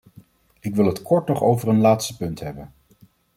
Ik wil het kort nog over een laatste punt hebben.